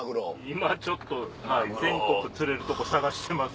今ちょっと全国釣れるとこ探してます。